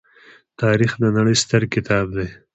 تاریخ د نړۍ ستر کتاب دی.